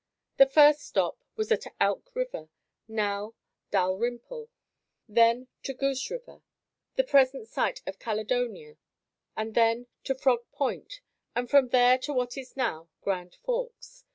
The first stop was at Elk River, now Dalyrimple, then to Goose River, the present site of Caledonia and then to Frog Point and from there to what is now Grand Forks.